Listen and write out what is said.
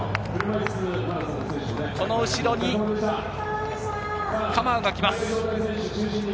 この後ろにカマウが来ます。